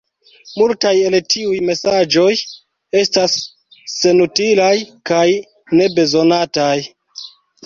Multaj el tiuj mesaĝoj estas senutilaj kaj nebezonataj.